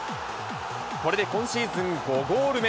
これで今シーズン５ゴール目。